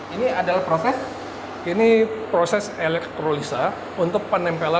ini adalah proses elektrolisa untuk penempatan